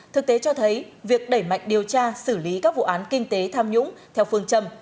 thực tế cho thấy việc đẩy mạnh điều tra xử lý các vụ án kinh tế tham nhũng theo phương châm